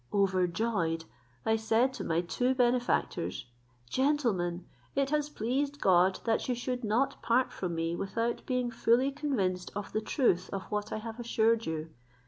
Overjoyed, I said to my two benefactors, "Gentlemen, it has pleased God that you should not part from me without being fully convinced of the truth of what I have assured you.